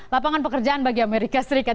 lapangan pekerjaan bagi amerika serikat